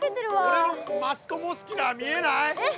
俺のマストモスキュラー見えない？えっ？